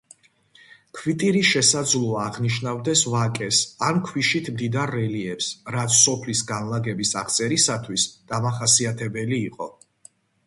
ქვიტირი შესაძლოა აღნიშნავდეს ვაკეს ან ქვიშით მდიდარ რელიეფს, რაც სოფლის განლაგების აღწერისათვის დამახასიათებელი იყო.